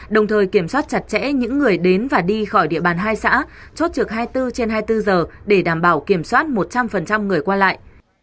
đồng thời kiểm soát chặt chẽ những người đến và đi khỏi địa bàn hai xã chốt trực hai mươi bốn trên hai mươi bốn giờ để đảm bảo kiểm soát một trăm linh người qua lại